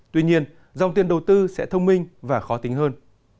tuy nhiên dòng tiền đầu tư sẽ thông minh và khó tính hơn